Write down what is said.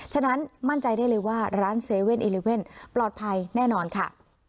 ฉะนั้นมั่นใจได้เลยว่าร้านเซเว่นอีเลเว่นปลอดภัยแน่นอนค่ะ